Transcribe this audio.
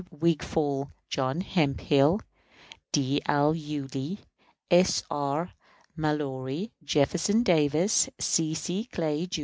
WIGFALL, JOHN HEMPHILL, D. L. YULEE, S. R. MALLORY, JEFFERSON DAVIS, C. C. CLAY, Jr.